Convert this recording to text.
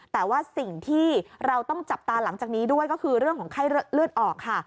แต่ว่าสิ่งที่เราต้องจับตาหลังจากนี้ด้วยก็คือเรื่องของไข้เลือดออกค่ะ